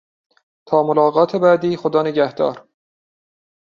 تا ملاقات بعدی خدانگهدار.